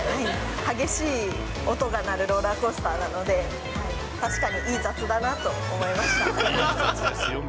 激しい音が鳴るローラーコースターなので、確かに良い雑だなと思いました。